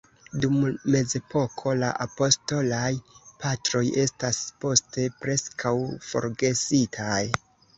Dum mezepoko la apostolaj Patroj estas poste preskaŭ forgesitaj.